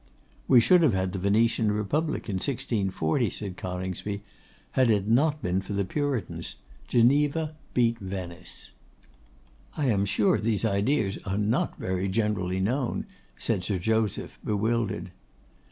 'We should have had the Venetian Republic in 1640,' said Coningsby, 'had it not been for the Puritans. Geneva beat Venice.' 'I am sure these ideas are not very generally known,' said Sir Joseph, bewildered.